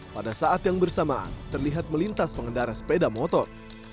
pada saat yang bersamaan terlihat melintas pengendara sepeda motor